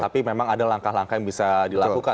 tapi memang ada langkah langkah yang bisa dilakukan